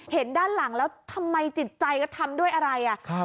เห็นด้านหลังแล้วทำไมจิตใจก็ทำด้วยอะไรอ่ะครับ